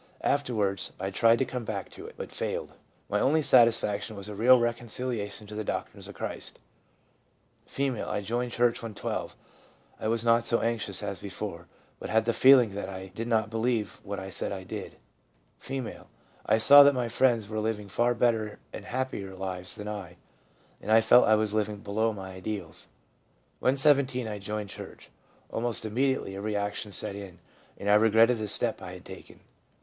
Afterwards I tried to come back to it, but failed. My only satisfaction was a real reconciliation to the doctrines of Christ/ F. ' I joined church when 12. I was not so anxious as before, but had the feeling that I did not believe what I said I did/ F. ' I saw that my friends were living far better and happier lives than I ; and I felt I was living below my ideals. When 17 I joined church. Almost immediately a reaction set in, and I regretted the step I had taken.